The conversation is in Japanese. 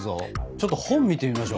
ちょっと本を見てみましょう。